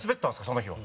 その日は。